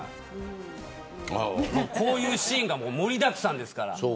こういうシーンが盛りだくさんですから。